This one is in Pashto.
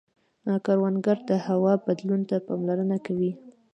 کروندګر د هوا بدلون ته پاملرنه کوي